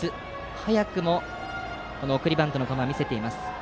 早くも送りバントの構えを見せています。